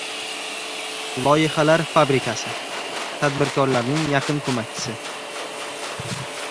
“Loyihalar fabrikasi” – tadbirkorlarning yaqin ko‘makchisi